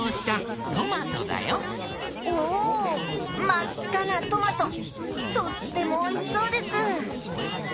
まっかなトマトとってもおいしそうです！